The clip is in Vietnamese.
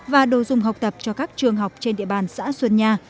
và đồ dùng học tập cho các trường học trên địa bàn xã xuân nha